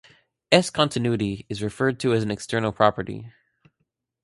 S-continuity is referred to as an external property.